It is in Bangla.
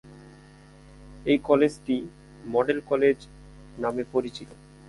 এই কলেজটি "মডেল কলেজ" নামে পরিচিত।